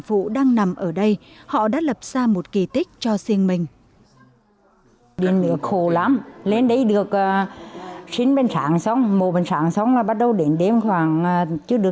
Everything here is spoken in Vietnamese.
cùng nhiều trang thiết bị y tế khác gần như bị hỏng hoàn toàn